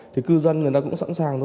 thì cư dân người ta cũng sẵn sàng